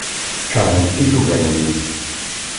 Keṛhent ilugan-nni.